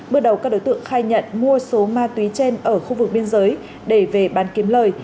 bước đầu các đối tượng khai nhận mua số ma túy trên ở khu vực biên giới để về bán kiếm lời